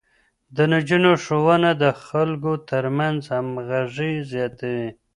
د نجونو ښوونه د خلکو ترمنځ همغږي زياتوي.